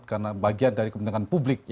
karena bagian dari kepentingan publik